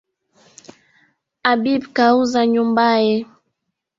Habib kauza nyumbaye